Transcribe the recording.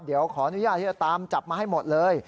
เดี๋ยวขออนุญาตที่จะตามจับมาให้หมดเลย